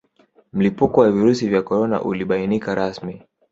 Mlipuko wa Virusi vya Korona ulibainika rasmi